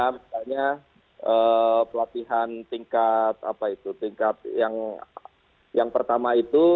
misalnya pelatihan tingkat yang pertama itu